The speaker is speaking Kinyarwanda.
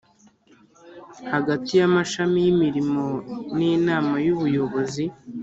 hagati y amashami y imirimo n inama y ubuyobozi